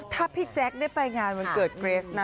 ถ้าพี่แจ๊คได้ไปงานวันเกิดเกรสนะ